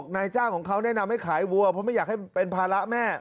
นายจ้างของเขาแนะนำให้ขายวัวเพราะไม่อยากให้เป็นภาระแม่